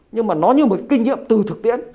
nhưng mà nó như một kinh nghiệm từ thực tiễn